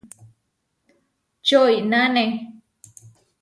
Čoináne.